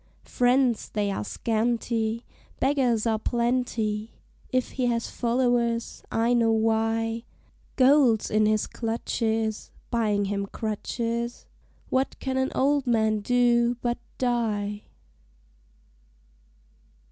Friends they are scanty, Beggars are plenty, If he has followers, I know why; Gold's in his clutches (Buying him crutches!) What can an old man do but die?